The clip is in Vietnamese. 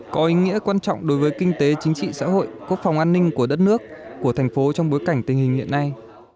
có ý nghĩa quan trọng đối với kinh tế chính trị xã hội quốc phòng an ninh của đất nước của thành phố trong bối cảnh tình hình hiện nay